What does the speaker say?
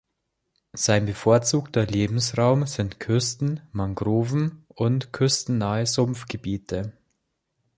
Sein bevorzugter Lebensraum sind Küsten, Mangroven und küstennahe Sumpfgebiete.